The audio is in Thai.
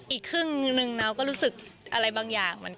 อีกครึ่งนึงนะเราก็รู้สึกอะไรบางอย่างเหมือนกัน